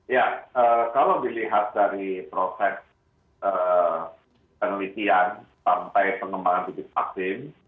ya kalau dilihat dari proses penelitian sampai pengembangan bibit vaksin